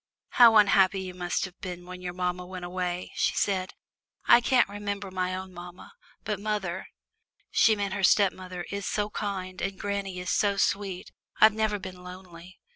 "How unhappy you must have been when your mamma went away," she said. "I can't remember my own mamma, but mother" she meant her stepmother "is so kind, and granny is so sweet. I've never been lonely."